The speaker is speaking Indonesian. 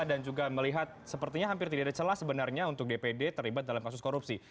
dan juga melihat sepertinya hampir tidak ada celah sebenarnya untuk dpd terlibat dalam kasus korupsi